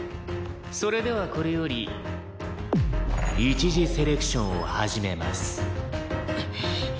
「それではこれより一次セレクションを始めます」